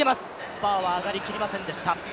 バーは上がりきりませんでした。